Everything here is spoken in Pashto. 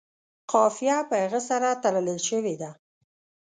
قافیه په هغه سره تړلې شوې ده.